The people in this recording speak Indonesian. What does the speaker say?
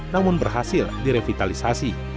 namun berhasil direvitalisasi